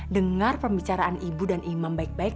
dengar pembicaraan ibu dan imam baik baik